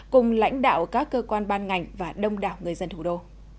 cùng lãnh đạo các cơ quan ban ngành và đông đảo người dân thủ đô